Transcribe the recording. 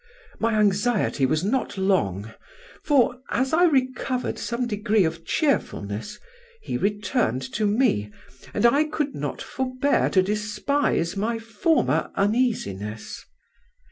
My anxiety was not long, for, as I recovered some degree of cheerfulness, he returned to me, and I could not forbear to despise my former uneasiness.